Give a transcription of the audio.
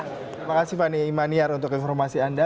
terima kasih fani imaniar untuk informasi anda